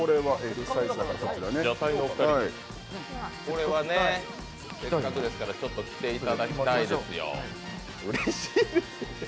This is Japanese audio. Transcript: せっかくですからちょっと着ていただきたいですよ。